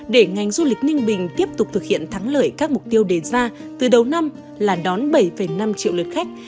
để ngành du lịch ninh bình tiếp tục thực hiện thắng lợi các mục tiêu đề ra từ đầu năm là đón bảy năm triệu lượt khách